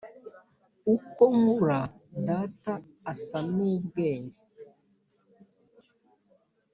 “uko nkura, data asa n'ubwenge.”